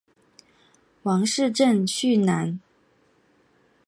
王士禛甥婿。